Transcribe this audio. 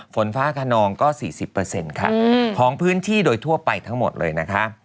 ฝนฟ้าขนองก็๔๐ค่ะของพื้นที่โดยทั่วไปทั้งหมดเลยนะคะ